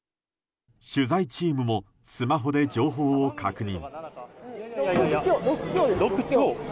取材チームもスマホで情報を確認。